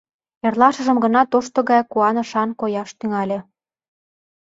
Эрлашыжым гына тошто гаяк куанышан кояш тӱҥале.